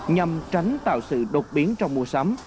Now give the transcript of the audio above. nhằm tránh tạo sự đột biến trong mua sắm